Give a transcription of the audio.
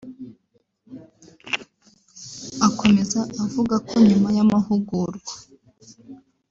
Akomeza avuga ko nyuma y’amahugurwa